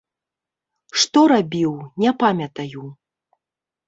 Што рабіў, не памятаю.